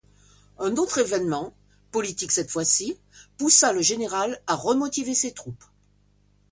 Un autre évènement, politique cette fois-ci, poussa le général à remotiver ses troupes.